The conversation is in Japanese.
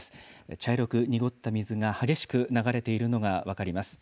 茶色く濁った水が激しく流れているのが分かります。